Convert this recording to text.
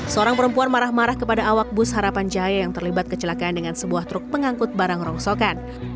seorang perempuan marah marah kepada awak bus harapan jaya yang terlibat kecelakaan dengan sebuah truk pengangkut barang rongsokan